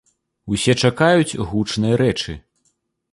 Усе чакаюць гучнай рэчы.